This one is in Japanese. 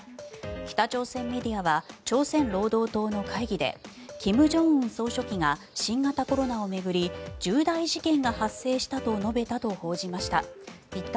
北朝鮮メディアは朝鮮労働党の会議で金正恩総書記が新型コロナを巡り重大事件が発生したと述べたと報じました。